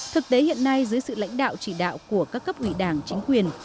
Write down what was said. thực tế hiện nay dưới sự lãnh đạo chỉ đạo của các cấp ủy đảng chính quyền